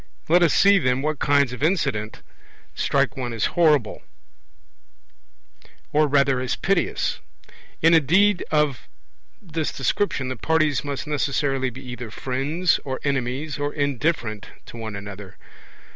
Let us see, then, what kinds of incident strike one as horrible, or rather as piteous. In a deed of this description the parties must necessarily be either friends, or enemies, or indifferent to one another.